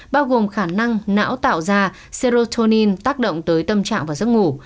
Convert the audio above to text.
bao gồm khả năng não tạo ra cedrotonin tác động tới tâm trạng và giấc ngủ